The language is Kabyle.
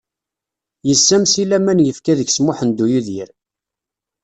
Yessammes i laman yefka deg-s Muḥend U yidir.